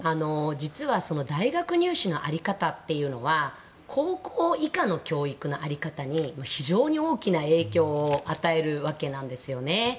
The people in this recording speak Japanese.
実は大学入試の在り方というのは高校以下の教育の在り方に非常に大きな影響を与えるわけなんですよね。